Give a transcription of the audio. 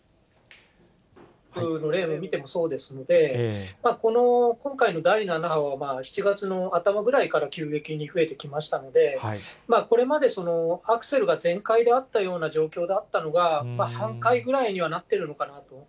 例を見てもそうですので、この今回の第７波は、７月の頭ぐらいから急激に増えてきましたので、これまでアクセルが全開であったような状況であったのが、半開ぐらいにはなってるのかなと。